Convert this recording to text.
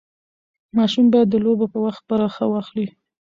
ماشوم باید د لوبو په وخت برخه واخلي.